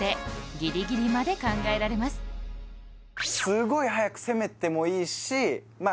すごい早く攻めてもいいしま